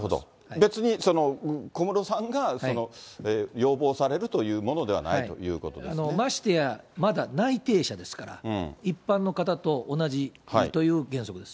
別に小室さんが要望されるというものではないということですましてや、まだ内定者ですから、一般の方と同じという原則です。